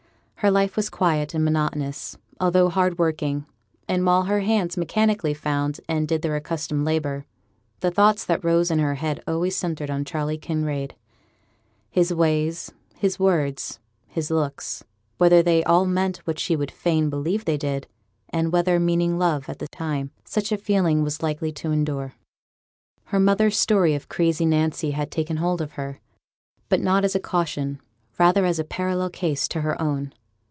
Her life was quiet and monotonous, although hard working; and while her hands mechanically found and did their accustomed labour, the thoughts that rose in her head always centred on Charley Kinraid, his ways, his words, his looks, whether they all meant what she would fain believe they did, and whether, meaning love at the time, such a feeling was likely to endure. Her mother's story of crazy Nancy had taken hold of her; but not as a 'caution,' rather as a parallel case to her own.